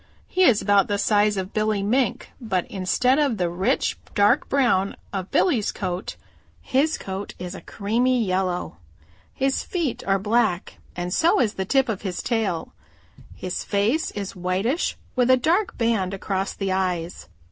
He is about the size of Billy Mink, but instead of the rich dark brown of Billy's coat his coat is a creamy yellow. His feet are black and so is the tip of his tail. His face is whitish with a dark band across the eyes.